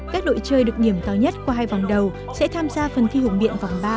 các đội chơi được nghiệm to nhất qua hai vòng đầu sẽ tham gia phần thi hữu miệng vòng ba